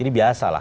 ini biasa lah